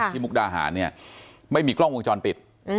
มุกดาหารเนี่ยไม่มีกล้องวงจรปิด